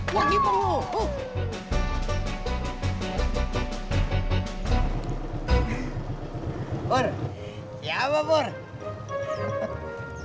kayaknya lo somepad lebih ter shampoolag